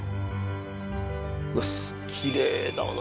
うわっきれいだな。